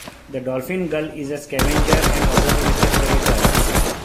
The dolphin gull is a scavenger and opportunistic predator.